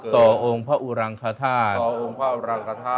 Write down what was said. ต่อองค์พระอุรังขทาตุด้วยกายก็ดี